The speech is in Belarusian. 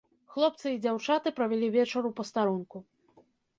Хлопцы і дзяўчаты правялі вечар у пастарунку.